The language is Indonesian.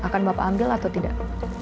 akan bapak ambil atau tidak